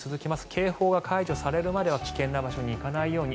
警報が解除されるまでは危険な場所に行かないように。